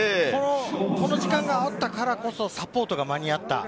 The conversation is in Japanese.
この時間があったからこそサポートが間に合った。